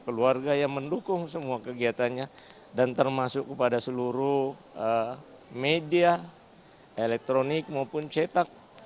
keluarga yang mendukung semua kegiatannya dan termasuk kepada seluruh media elektronik maupun cetak